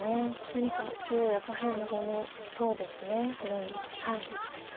何か中央や下辺の方のところに持っていきたいと。